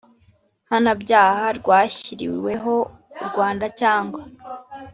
Mpanabyaha rwashyiriweho u rwanda cyangwa